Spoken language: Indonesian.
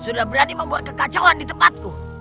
sudah berani membuat kekacauan di tempatku